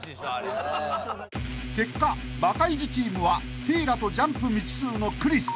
［結果バカイジチームはティーラとジャンプ未知数のクリス］